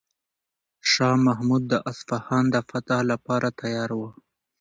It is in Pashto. شاه محمود د اصفهان د فتح لپاره تیار و.